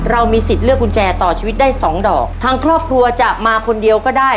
เรามีสิทธิ์เลือกกุญแจต่อชีวิตได้สองดอกทางครอบครัวจะมาคนเดียวก็ได้